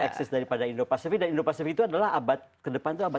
eksis daripada indo pasifik dan indo pasifik itu adalah abad kedepan itu abad indo pasifik